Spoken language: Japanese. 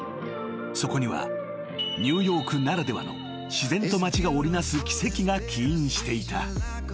［そこにはニューヨークならではの自然と町が織り成す奇跡が起因していた］